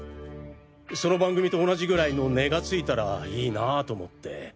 その番組と同じぐらいの値がついたらいいなぁと思って。